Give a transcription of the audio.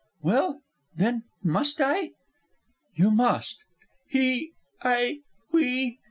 "Well, then... must I?" "You must." "He... I... we..."